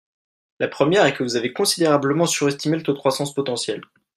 La première est que vous avez considérablement surestimé le taux de croissance potentielle.